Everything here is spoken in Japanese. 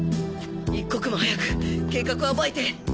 一刻も早く計画を暴いて